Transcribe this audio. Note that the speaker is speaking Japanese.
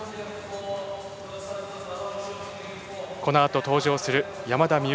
このあと登場する山田美幸。